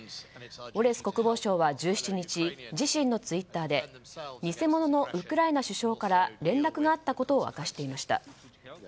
ウォレス国防相は１７日自身のツイッターで偽者のウクライナ首相から連絡があったことを明かしていました。